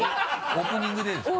オープニングでですか？